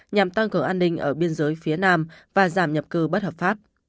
nhằm tăng cường an ninh ở biên giới phía nam và giảm nhập cư bất hợp pháp